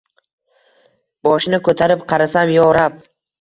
Boshini ko’tarib qarasam, yo rab